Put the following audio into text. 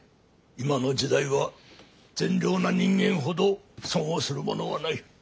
今の時代は善良な人間ほど損をするものはない。